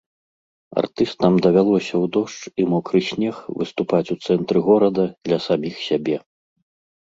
Артыстам давялося ў дождж і мокры снег выступаць у цэнтры горада для саміх сябе.